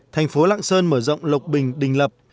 thành phố lạng sơn mở rộng lộc bình đình lập